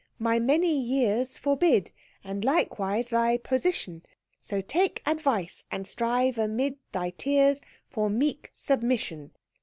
My many years forbid, And likewise thy position. So take advice, and strive amid Thy tears for meek submission.